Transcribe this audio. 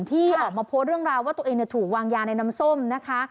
ที่ออกมาโพสต์เรื่องราวว่าตัวเองถูกวางยาในน้ำส้มนะคะ